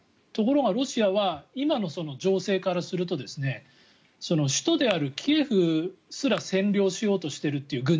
ところが、ロシアは今の情勢からすると首都であるキエフすら占領しようとしているという。